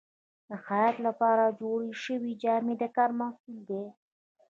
د خیاط لپاره جوړې شوې جامې د کار محصول دي.